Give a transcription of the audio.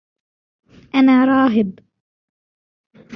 انا راهب.